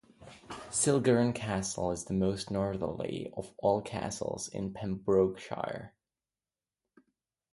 Cilgerran Castle is the most northerly of all castles in Pembrokeshire.